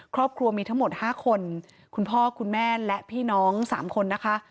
ครอบครัวมีทั้งหมด๕คนคุณพ่อคุณแม่และพี่น้อง๓คนนะคะ